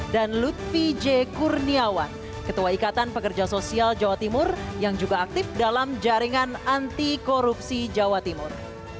dan lutfi j kurniawan ketua ikatan pekerja sosial jawa timur yang juga aktif dalam jaringan anti korupsi jawa timur